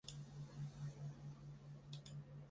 第八任福建省政府主席。